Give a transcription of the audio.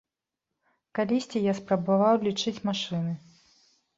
Калісьці я спрабаваў лічыць машыны.